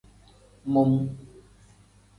Mum.